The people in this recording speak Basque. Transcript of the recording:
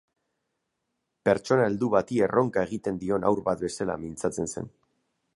Pertsona heldu bati erronka egiten dion haur bat bezala mintzatzen zen.